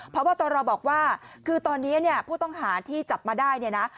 พบตรบอกว่าคือตอนนี้เนี่ยผู้ต้องหาที่จับมาได้เนี่ยนะ